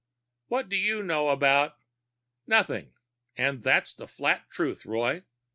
"What do you know about " "Nothing. And that's the flat truth, Roy.